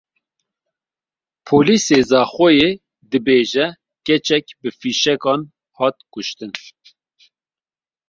Polîsê Zaxoyê dibêje keçek bi fîşekan hat kuştin.